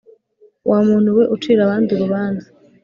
wa muntu we ucira abandi urubanza.